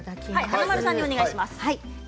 華丸さんにお願いします。